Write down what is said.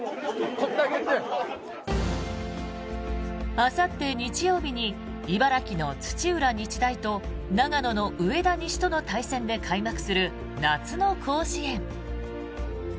あさって日曜日に茨城の土浦日大と長野の上田西との対戦で開幕する夏の甲子園。